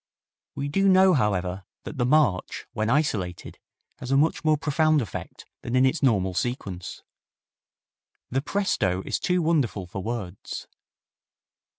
We do know, however, that the march, when isolated, has a much more profound effect than in its normal sequence. The presto is too wonderful for words.